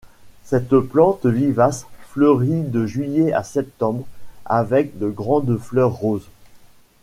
Cette plante vivace fleurit de juillet à septembre avec de grandes fleurs roses.